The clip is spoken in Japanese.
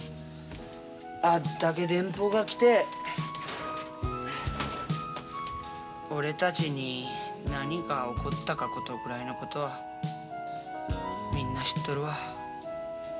あっだけ電報が来て俺たちに何が起こったかことぐらいのことはみんな知っとるわ。